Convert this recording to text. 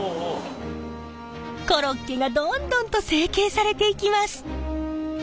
コロッケがどんどんと成型されていきます。